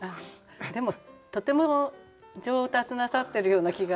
でもとても上達なさってるような気が。